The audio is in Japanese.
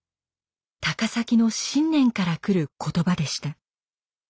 高碕の信念からくる言葉でした。